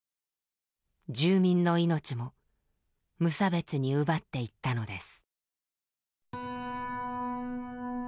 住民の命も無差別に奪っていったのです。